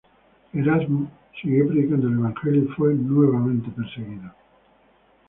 Erasmo siguió predicando el Evangelio y fue, nuevamente, perseguido.